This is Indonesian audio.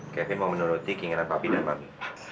kevin mau menuruti keinginan papi dan papi